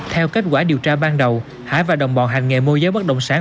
theo kết quả điều tra ban đầu hải và đồng bọn hành nghệ mua giấy bất động sản